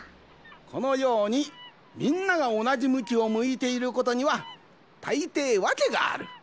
このようにみんながおなじむきをむいていることにはたいていわけがある。